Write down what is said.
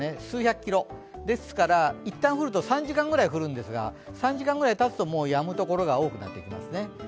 数百キロ、ですから、いったん、降ると３時間ぐらい降るんですが３時間ぐらいたつと、やむ所が多くなってきますね。